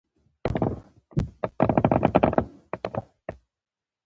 زوی یې په خوشحالۍ هغې ته خپله ټوله کیسه وکړه.